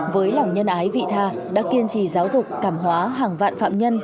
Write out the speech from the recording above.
với lòng nhân ái vị tha đã kiên trì giáo dục cảm hóa hàng vạn phạm nhân